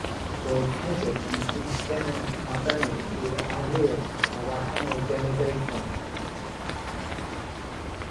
Roedd hefyd yn Llysgennad Arbennig i'r Arlywydd ar wahanol genadaethau.